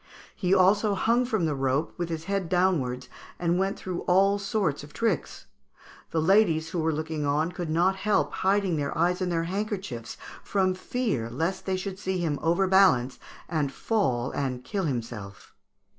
He also hung from the rope with his head downwards, and went through all sorts of tricks. The ladies who were looking on could not help hiding their eyes in their handkerchiefs, from fear lest they should see him overbalance and fall and kill himself."